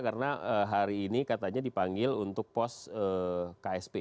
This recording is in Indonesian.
karena hari ini katanya dipanggil untuk pos ksp